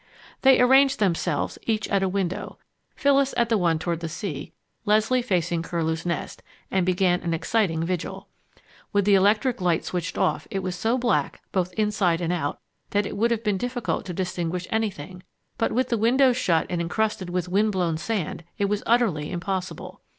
They arranged themselves, each at a window, Phyllis at the one toward the sea; Leslie facing Curlew's Nest, and began an exciting vigil. With the electric light switched off, it was so black, both inside and out, that it would have been difficult to distinguish anything, but with the windows shut and encrusted with wind blown sand, it was utterly impossible.